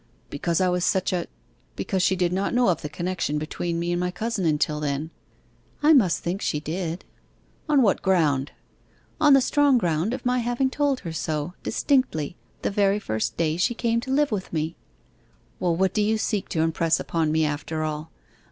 'Because I was such a because she did not know of the connection between me and my cousin until then.' 'I must think she did.' 'On what ground?' 'On the strong ground of my having told her so, distinctly, the very first day she came to live with me.' 'Well, what do you seek to impress upon me after all?